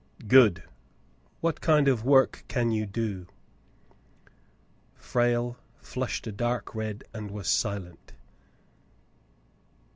" Good ; what kind of work can you doV Frale flushed a dark red and was silent.